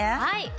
はい。